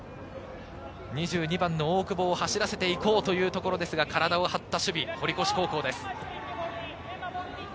２２番の大久保を走らせていこうというところですが、体を張った守備、堀越高校です。